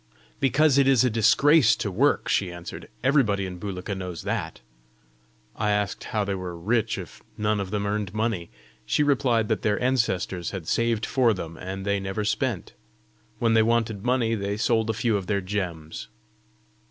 "Because it is a disgrace to work," she answered. "Everybody in Bulika knows that!" I asked how they were rich if none of them earned money. She replied that their ancestors had saved for them, and they never spent. When they wanted money they sold a few of their gems.